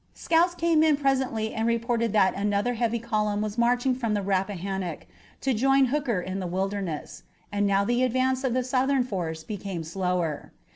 Scouts came in presently and reported that another heavy column was marching from the Rappahannock to join Hooker in the Wilderness, and now the advance of the Southern force became slower.